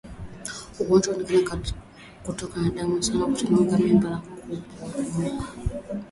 Ugonjwa wa kutoka damu sana huchangia mimba kuporomoka